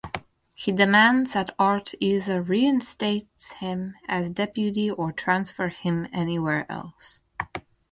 He demands that Art either reinstates him as deputy or transfer him anywhere else.